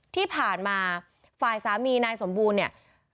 ที่ผ่านมาฝ่ายสามีนายสมบูรณ์เนี่ย